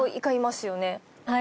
はい。